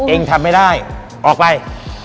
เองทำไม่ได้ออกไป